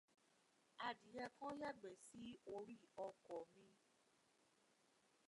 Adìyẹ kan yàgbé sí orí ọkọ̀ mi.